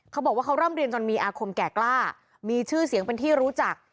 เขาบอกว่าเขาร่ำเรียนจนมีอาคมแก่กล้ามีชื่อเสียงเป็นที่รู้จัก